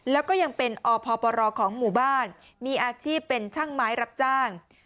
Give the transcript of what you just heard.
แล้วก็ยังเป็นอพปรของหมู่บ้านมีอาชีพเป็นช่างไม้รับจ้าง